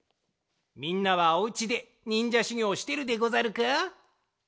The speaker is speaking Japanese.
みんなはお家でにんじゃしゅぎょうしてるでござるか？